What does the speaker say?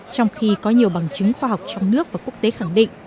trong khi có nhiều bằng chứng khoa học trong nước và quốc tế khẳng định